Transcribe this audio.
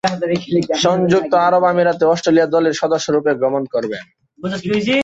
সংযুক্ত আরব আমিরাতে অস্ট্রেলিয়া দলের সদস্যরূপে গমন করেন।